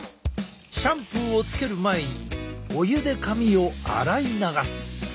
シャンプーをつける前にお湯で髪を洗い流す。